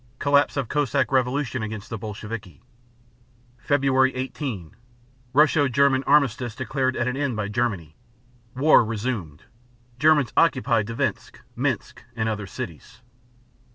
Collapse of Cossack revolt against the Bolsheviki. Feb. 18 Russo German armistice declared at an end by Germany; Mar. 3 war resumed. Germans occupy Dvinsk, Minsk, and other cities.